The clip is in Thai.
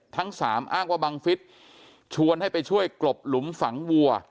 ทั้งสามอ้างว่าบังฟิศชวนให้ไปช่วยกลบหลุมฝังวัว